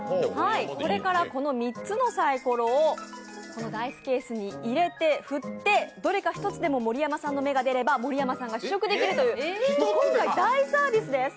これからこの３つのサイコロをダイスケースに入れて振ってどれか一つでも盛山さんの目が出れば盛山さんが試食できるという今回、大サービスです。